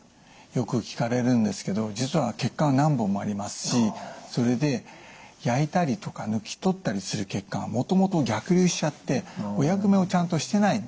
よく聞かれるんですけど実は血管は何本もありますしそれで焼いたりとか抜き取ったりする血管はもともと逆流しちゃってお役目をちゃんとしてない。